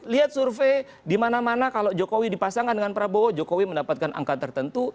lihat survei dimana mana kalau jokowi dipasangkan dengan prabowo jokowi mendapatkan angka tertentu